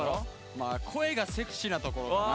まあ声がセクシーなところかな。